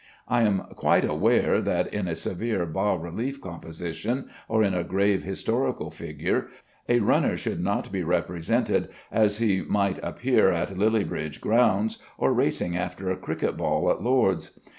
I am quite aware that in a severe bas relief composition, or in a grave historical picture, a runner should not be represented as he might appear at Lilliebridge grounds, or racing after a cricket ball at Lord's.